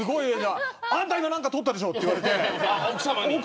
あんた今何か撮ったでしょって。